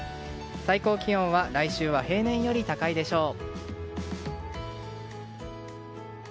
最高気温は来週は平年より高いでしょう。